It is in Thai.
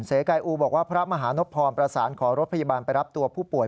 กายอูบอกว่าพระมหานพรประสานขอรถพยาบาลไปรับตัวผู้ป่วย